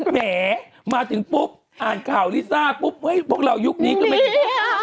แหมมาถึงปุ๊บอ่านข่าวลิซ่าปุ๊บพวกเรายุคนี้ก็ไม่ใช่